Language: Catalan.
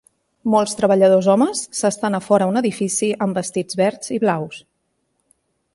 Molts treballadors homes s'estan a fora un edifici amb vestits verds i blaus.